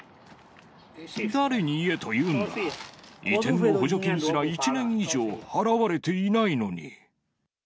誰に言えというんだ、移転の補助金すら１年以上払われていないのに。